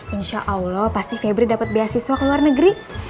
insya allah pasti febri dapat beasiswa ke luar negeri